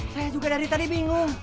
saya juga dari tadi bingung